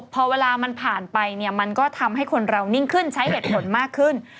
พอเวลามันผ่านไปเนี่ยมันก็ทำให้คนเรานิ่งขึ้นใช้เหตุผลมากขึ้น